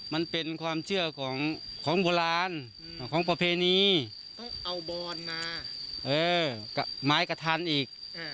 มันเป็นความเชื่อของโบราณของประเพณีต้องเอาบอนมาไม้กระทันอีก